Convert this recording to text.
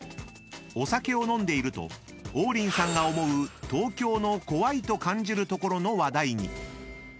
［お酒を飲んでいると王林さんが思う東京の怖いと感じるところの話題に］